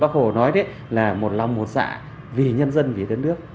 bác hồ nói đấy là một lòng một dạ vì nhân dân vì đất nước